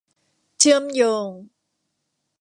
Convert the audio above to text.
เชื่อมโยง